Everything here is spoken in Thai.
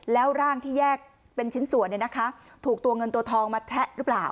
แล้วร่างที่แยกเป็นชิ้นส่วนถูกตัวเงินตัวทองมาแทะหรือเปล่า